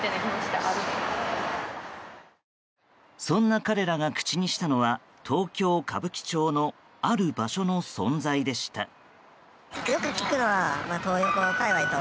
そんな彼らが口にしたのは東京・歌舞伎町のある場所の存在でした。